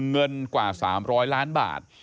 เงินกว่า๓๐๐ล้านบาท